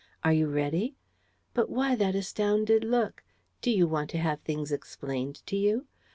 ... Are you ready? But why that astounded look? Do you want to have things explained to you?